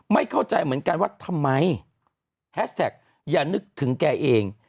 ไม่เข้าใจเหมือนกันว่าทำไมแฮชแท็กอย่านึกถึงแกเอง